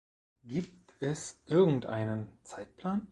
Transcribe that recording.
Gibt es irgendeinen Zeitplan?